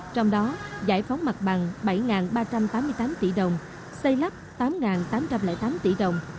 trong đó giải phóng mặt bằng bảy ba trăm tám mươi tám tỷ đồng xây lắp tám tám trăm linh tám tỷ đồng